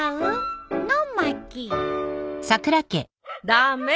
駄目。